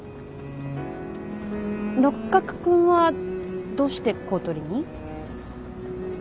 六角君はどうして公取に？